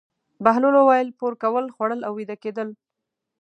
بهلول وویل: پور کول، خوړل او ویده کېدل.